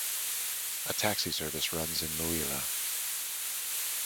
A taxi service runs in Mouila.